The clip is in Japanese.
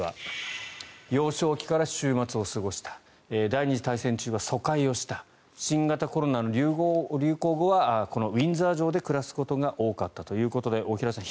幼少期から週末を過ごした第２次大戦中は疎開をした新型コロナの流行後はこのウィンザー城で暮らすことが多かったということで大平さん